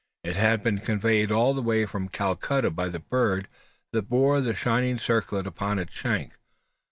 It had been conveyed all the way from Calcutta by the bird that bore the shining circlet upon its shank.